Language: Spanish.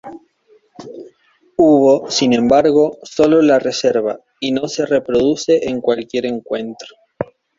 Hubo, sin embargo, sólo la reserva y no se reproduce en cualquier encuentro.